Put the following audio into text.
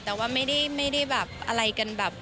แต่ว่าไม่ได้แบบอะไรกันแบบ